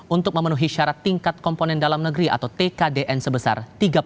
untuk memenuhi syarat tingkat komponen dalam negeri atau tkdn sebesar